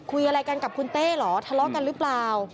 คุยอะไรกันกับคุณเต้เหรอทะเลาะกันหรือเปล่า